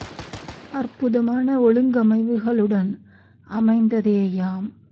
அற்புதமான ஒழுங்கமைவுகளுடன் அமைந்ததேயாம்.